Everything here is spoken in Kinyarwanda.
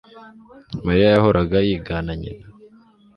Mariya yahoraga yigana nyina